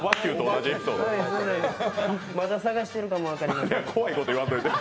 まだ、さがしているかも分かりません。